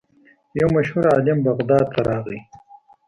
یو مشهور عالم بغداد ته راغی.